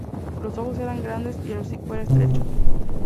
Los ojos eran grandes y el hocico era estrecho.